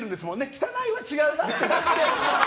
汚いは違うなと思って。